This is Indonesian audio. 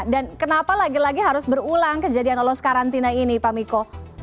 dan kenapa lagi lagi harus berulang kejadian lolos karantina ini pak miko